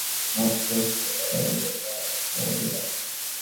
ওহ, বেশ তো, তারা অন্যদের না আটকে, আমাদের আটকাচ্ছে?